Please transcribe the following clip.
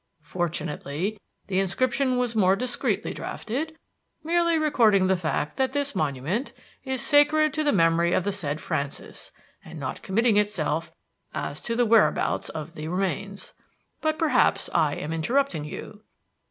Fortunately the inscription was more discreetly drafted, merely recording the fact that this monument is 'sacred to the memory of the said Francis,' and not committing itself as to the whereabouts of the remains. But perhaps I am interrupting you."